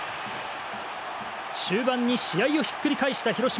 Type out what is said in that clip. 終盤に試合をひっくり返した広島。